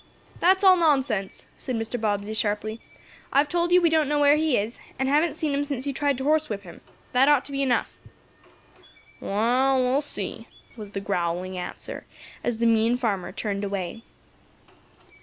"That's all nonsense!" said Mr. Bobbsey, sharply. "I've told you we don't know where he is, and haven't seen him since you tried to horsewhip him. That ought to be enough." "Wa'al, we'll see," was the growling answer, as the mean farmer turned away.